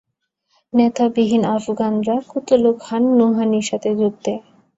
নেতাবিহীন আফগানরা কুতলু খান নুহানীর সাথে যোগ দেয়।